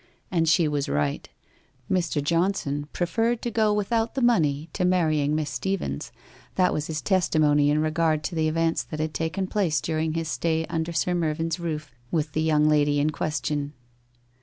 And she was right. Mr. Johnson preferred to go with out the money to marrying Miss Steevens, that was his testimony in regard to the events that had taken place dur ing his stay under Sir Mervyn's roof with the young lady in question.